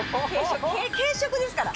軽食ですから。